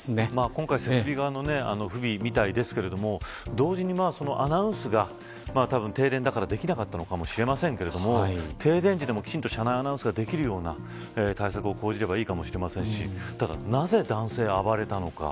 今回は設備側の不備みたいですが同時にアナウンスが、たぶん停電だからできなかったのかもしれませんが停電時でも、きちんと車内アナウンスができるような対策を講じればいいかもしれませんしただ、なぜ男性が暴れたのか。